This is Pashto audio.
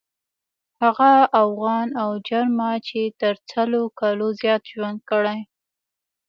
هغه اوغان او جرما چې تر سلو کالو زیات ژوند کړی.